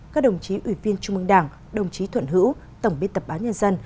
các đồng chí ủy viên trung mương đảng đồng chí thuận hữu tổng biên tập bán nhân dân